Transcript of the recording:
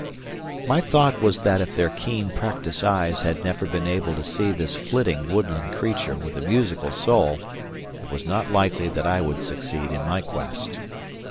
My thought was that if their keen, practiced eyes had never been able to see this flitting woodland creature with a musical soul, it was not likely that I would succeed in my quest.